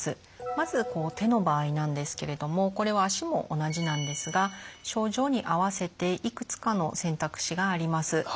まず手の場合なんですけれどもこれは足も同じなんですが症状に合わせていくつかの選択肢があります。